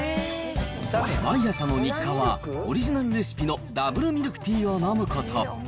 毎朝の日課はオリジナルレシピのダブルミルクティーを飲むこと。